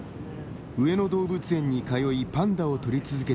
上野動物園に通いパンダを撮り続けて１２年。